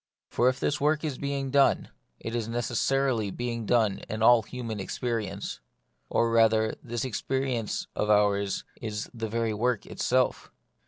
For if this work is being done, it is neces sarily being done in all human experience ; or rather, this experience of ours is that very work itself.